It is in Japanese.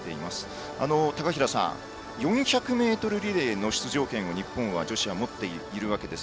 高平さん、４００ｍリレーの出場権を日本は女子は持っているわけです。